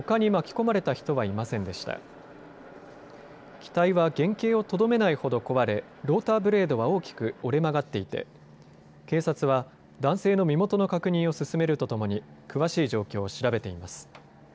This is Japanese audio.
機体は原形をとどめないほど壊れローターブレードは大きく折れ曲がっていて警察は男性の身元の確認を進めるとともに詳しい状況を調べています。